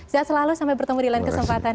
sehat selalu sampai bertemu di lain kesempatan